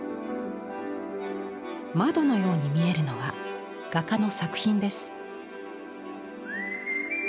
窓のように見えるのは画家の作品です。